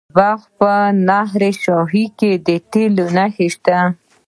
د بلخ په نهر شاهي کې د تیلو نښې شته.